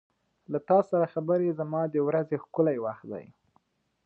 • له تا سره خبرې زما د ورځې ښکلی وخت دی.